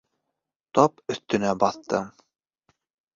— Тап өҫтөнә баҫтың!